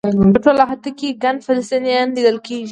په ټوله احاطه کې ګڼ فلسطینیان لیدل کېږي.